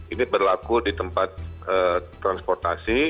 ini berlaku di tempat transportasi